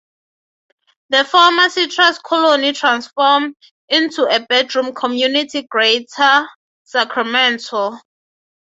The former citrus colony transformed into a bedroom community of greater Sacramento.